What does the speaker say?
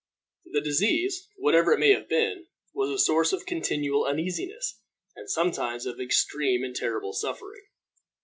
The disease, whatever it may have been, was a source of continual uneasiness, and sometimes of extreme and terrible suffering.